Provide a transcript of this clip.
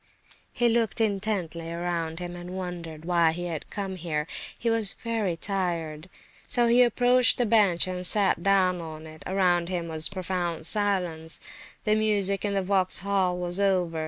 He looked intently around him, and wondered why he had come here; he was very tired, so he approached the bench and sat down on it. Around him was profound silence; the music in the Vauxhall was over.